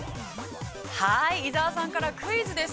◆伊沢さんからクイズです。